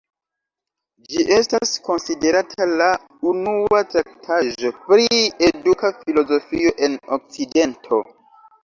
Ĝi estas konsiderata la unua traktaĵo pri eduka filozofio en Okcidento.